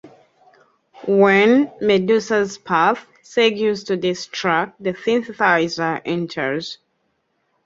When "Medusa's Path" segues to this track, the synthesizer enters.